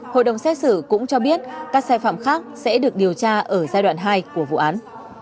hội đồng xét xử cũng cho biết các sai phạm khác sẽ được điều tra ở giai đoạn hai của vụ án